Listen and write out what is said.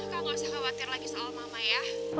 kak gak usah khawatir lagi soal mama ya